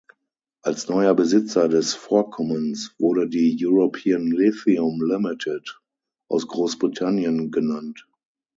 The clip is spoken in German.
Als neuer Besitzer des Vorkommens wurde die „European Lithium Limited“ aus Großbritannien genannt.